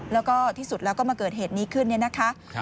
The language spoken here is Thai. แล้วก็ที่สุดแล้วก็มาเกิดเหตุนี้ขึ้นเนี่ยนะคะ